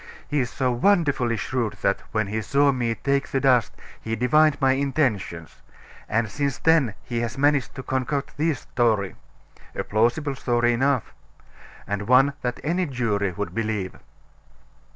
He is so wonderfully shrewd that, when he saw me take the dust, he divined my intentions; and since then he has managed to concoct this story a plausible story enough and one that any jury would believe."